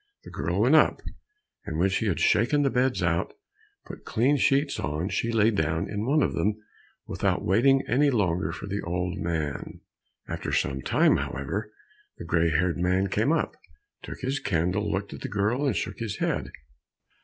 The girl went up, and when she had shaken the beds and put clean sheets on, she lay down in one of them without waiting any longer for the old man. After some time, however, the gray haired man came, took his candle, looked at the girl and shook his head.